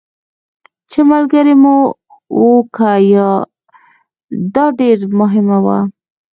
چې ملګري مو وو که یا، دا ډېره مهمه وه.